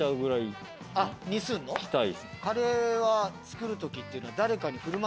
カレーは作るときっていうのは。